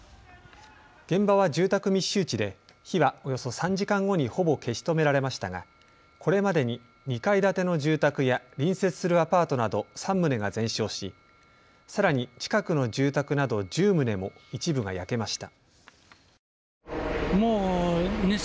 現場は住宅密集地で火はおよそ３時間後にほぼ消し止められましたがこれまでに２階建ての住宅や隣接するアパートなど３棟が全焼し、さらに近くの住宅など１０棟も一部が焼けました。